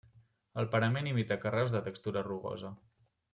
El parament imita carreus de textura rugosa.